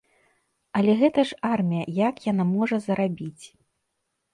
Але гэта ж армія, як яна можа зарабіць?